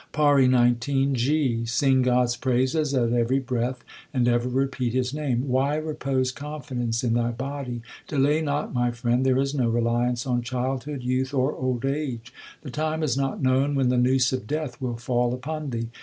PAURI XIX G. Sing God s praises at every breath and ever repeat His name. Why repose confidence in thy body ? Delay not, my friend ; There is no reliance on childhood, youth, or old age : The time is not known when the noose of Death will fall upon thee.